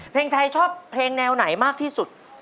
เพลงไทยชอบเพลงแนวไหนมากที่สุด